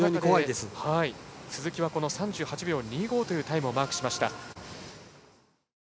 鈴木は３８秒２５というタイムをマークしました。